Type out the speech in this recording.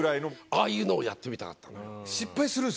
ああいうのをやってみたかったのよ。